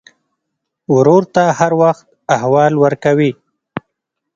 ورور ته هر وخت احوال ورکوې.